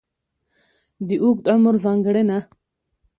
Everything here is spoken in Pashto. د اوږد عمر ځانګړنه.